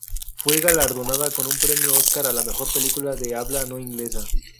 Fue galardonada con un Premio Óscar a la mejor película de habla no inglesa.